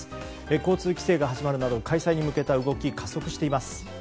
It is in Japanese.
交通規制が始まるなど開催に向けた動きが加速しています。